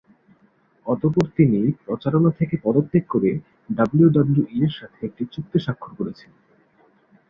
অতঃপর তিনি প্রচারণা থেকে পদত্যাগ করে ডাব্লিউডাব্লিউই-এর সাথে একটি চুক্তি স্বাক্ষর করেছেন।